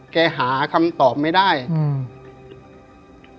หาคำตอบไม่ได้อืม